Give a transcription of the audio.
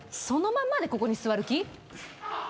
そのまんまでここに座る気？